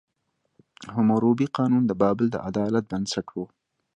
حموربي قانون د بابل د عدالت بنسټ و.